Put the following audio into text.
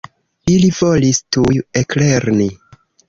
Ili volis tuj eklerni.